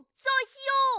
そうしよう！